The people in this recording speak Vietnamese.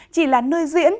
chỉ là nơi diễn